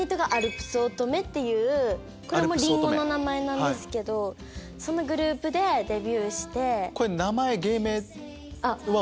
これもリンゴの名前なんですけどそのグループでデビューして。